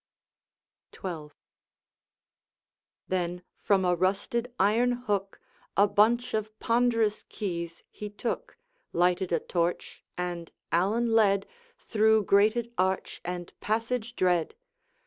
XII. Then, from a rusted iron hook, A bunch of ponderous keys he took, Lighted a torch, and Allan led Through grated arch and passage dread.